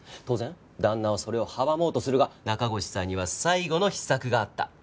当然旦那はそれを阻もうとするが中越さんには最後の秘策があった。